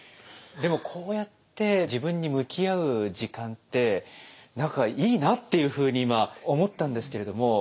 でもこうやって自分に向き合う時間って何かいいなっていうふうに今思ったんですけれども。